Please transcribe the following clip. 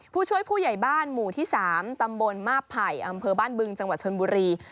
ผู้ช่วยผู้ใหญ่บ้านหมู่ที่๓ตำบลมาบไผ่อำเภอบ้านบึงจังหวัดชนบุรี